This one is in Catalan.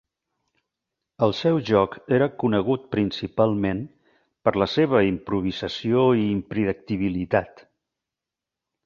El seu joc era conegut principalment per la seva improvisació i impredictibilitat.